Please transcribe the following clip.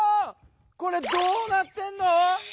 これどうなってんの？